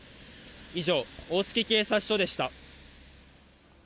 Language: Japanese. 以上、大月警察署でした。